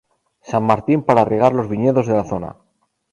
San Martín para regar los viñedos de la zona.